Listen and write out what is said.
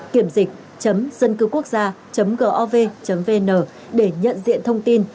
kiểm dịch dân cư quốc gia gov vn để nhận diện thông tin